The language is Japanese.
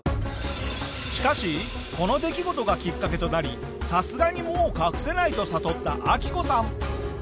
しかしこの出来事がきっかけとなりさすがにもう隠せないと悟ったアキコさん。